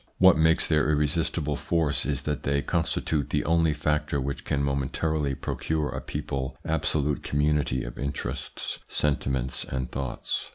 What makes their irresistible force is that they constitute the only factor which can momentarily procure a people absolute community of interests, sentiments, and thoughts.